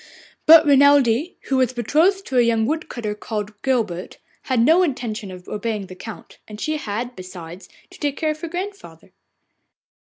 But Renelde, who was betrothed to a young wood cutter called Guilbert, had no intention of obeying the Count, and she had, besides, to take care of her grandmother.